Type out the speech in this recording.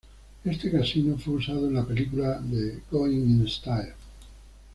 Este casino fue usado en la película de "Going in Style".